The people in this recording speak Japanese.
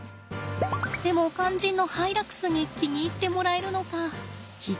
でも肝心のハイラックスに気に入ってもらえるのか。